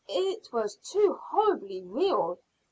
It was too horribly real."